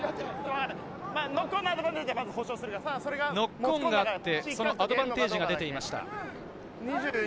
ノックオンがあってアドバンテージが出ていました。